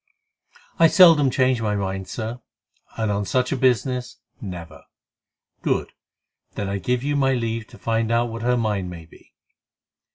"I seldom change my mind, Sir, and on such a business, never." "Good! Then I give you my leave to find out what her mind may be."